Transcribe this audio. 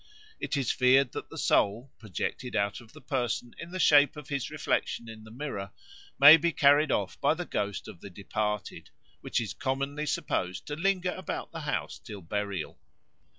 It is feared that the soul, projected out of the person in the shape of his reflection in the mirror, may be carried off by the ghost of the departed, which is commonly supposed to linger about the house till the burial.